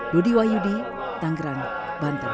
nudi wayudi tanggeran banteng